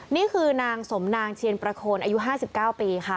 นี่คือนางสมนางเชียนประโคนอายุ๕๙ปีค่ะ